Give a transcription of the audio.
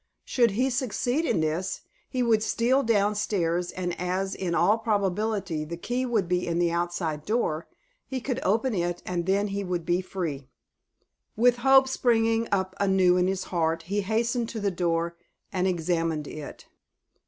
Should he succeed in this, he would steal down stairs, and as, in all probability, the key would be in the outside door, he could open it, and then he would be free. With hope springing up anew in his heart, he hastened to the door and examined it.